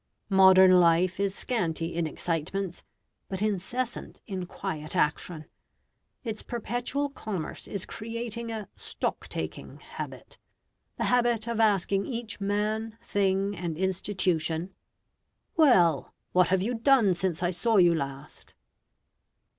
Modern life is scanty in excitements, but incessant in quiet action. Its perpetual commerce is creating a "stock taking" habit the habit of asking each man, thing, and institution, "Well, what have you done since I saw you last?"